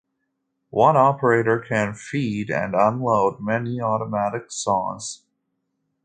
One operator can feed and unload many automatic saws.